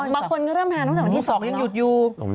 หยุดเลย